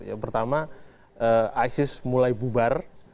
yang pertama isis mulai bubar